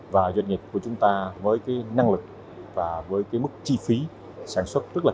và doanh nghiệp của chúng ta với cái năng lực và với cái mức chi phí sản xuất rất là lớn